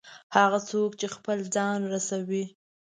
هغه څوک چې خپل ځان رسوي.